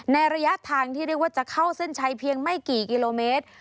ระยะทางที่เรียกว่าจะเข้าเส้นชัยเพียงไม่กี่กิโลเมตร